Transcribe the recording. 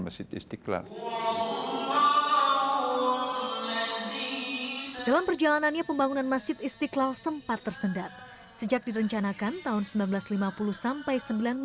mencanakan tahun seribu sembilan ratus lima puluh sampai seribu sembilan ratus enam puluh lima